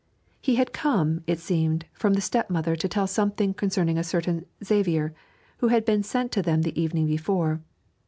He had come, it seemed, from the stepmother to tell something concerning a certain Xavier, who had been sent to them the evening before.